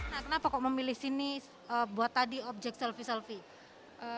nah kenapa kok memilih sini buat tadi objek selfie selfie